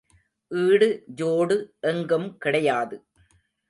ஈடு ஜோடு எங்கும் கிடையாது.